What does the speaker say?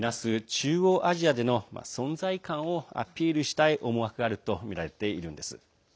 中央アジアでの存在感をアピールしたい思惑があるとみられているんです。